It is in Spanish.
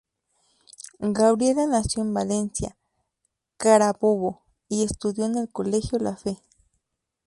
Gabriella nació en Valencia, Carabobo y estudió en el Colegio La Fe.